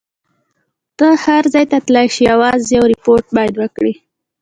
ته هر ځای تللای شې، یوازې یو ریپورټ باید وکړي.